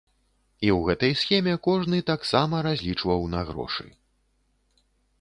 І ў гэтай схеме кожны таксама разлічваў на грошы.